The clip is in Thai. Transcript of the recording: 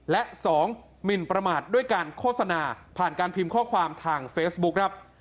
และ๒หมินประมาทด้วยการโฆษณาผ่านการพิมพ์ข้อความทางเฟซบุ๊คครับ